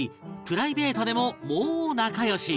プライベートでももう仲良し